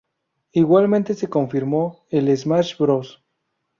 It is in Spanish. Igualmente se confirmó el Smash Bros.